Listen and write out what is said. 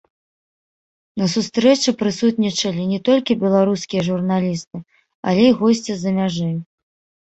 На сустрэчы прысутнічалі не толькі беларускія журналісты, але і госці з-за мяжы.